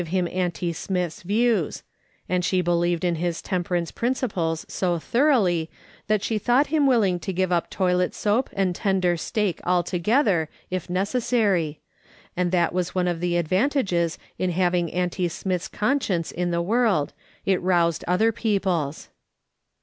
liim auntie Smith's views ; and she believed in liis temperance principles so thoroughly that she thought him willing to give up toilet soap and tender steak altogether, if necessary ; and that it was one of the advantages in having auntie Smith's conscience in the world ; it roused other people's.